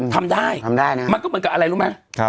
ทำได้มันก็เหมือนกับอะไรรู้ไหม